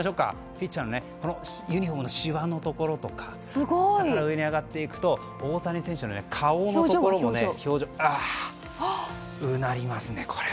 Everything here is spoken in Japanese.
ピッチャー、このユニホームのしわのところとか下から上に上がっていくと大谷選手の顔のところもうなりますね、これ。